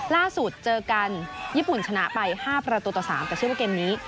ล่าสุดเจอกันญี่ปุ่นชนะไป๕ประตูต่อ๓แต่เชื่อว่าเกมนี้